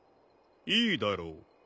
いいだろう。